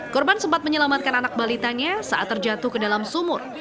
korban sempat menyelamatkan anak balitanya saat terjatuh ke dalam sumur